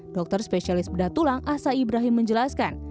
dokter spesialis bedah tulang asa ibrahim menjelaskan